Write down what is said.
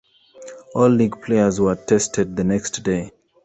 All league players were tested the next day.